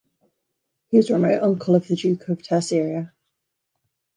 He was a remote uncle of the Duke of Terceira.